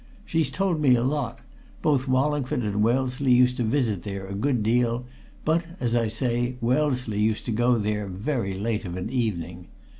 She's told me a lot; both Wallingford and Wellesley used to visit there a good deal, but as I say, Wellesley used to go there very late of an evening.